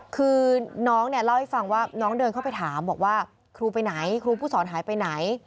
คือน้องเนี่ยเล่าให้ฟังว่าน้องเดินเข้าไปถามบอกว่าครูไปไหนครูผู้สอนหายไปไหน